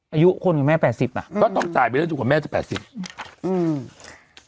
อายุคนแม่แปดสิบอ่ะก็ต้องจ่ายไปเรื่องจุดกว่าแม่จะแปดสิบอืม